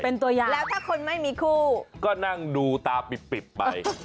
เป็นตัวอย่างแล้วถ้าคนไม่มีคู่ก็นั่งดูตาปิบไป